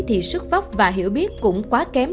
thì sức vóc và hiểu biết cũng quá kém